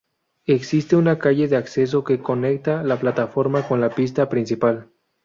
Existe una calle de acceso que conecta la plataforma con la pista principal.